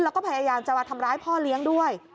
แล้วก็พยายามจะมาทำร้ายพ่อเลี้ยงด้วย